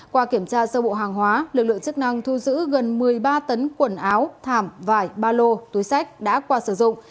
qua kiểm tra sơ bộ hàng hóa lực lượng chức năng thu giữ gần một mươi ba tấn quần áo thảm vải ba lô túi sách đã qua sử dụng